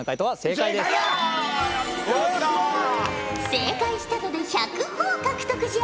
正解したので１００ほぉ獲得じゃ。